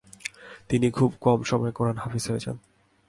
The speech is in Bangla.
তিনি খুব কম সময়ে কোরাআন হাফিজ হয়ে যান।